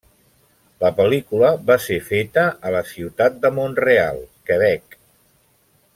La pel·lícula va ser feta a la ciutat de Mont-real, Quebec.